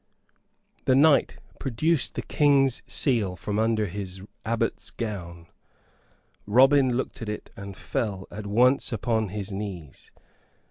The knight produced the King's seal from under his abbot's gown. Robin looked at it, and fell at once upon his knees.